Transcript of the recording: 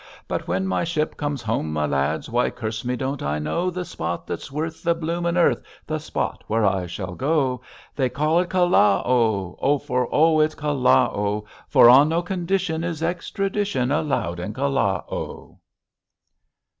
But when my ship comes home, my lads, Why, curse me, don't I know The spot that's worth, the blooming earth, The spot where I shall go. They call it Callao! for oh, it's Callao. For on no condition Is extradition Allowed in Callao.'